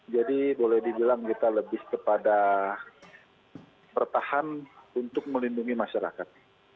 jadi boleh dibilang kita lebih kepada bertahan untuk melindungi masyarakat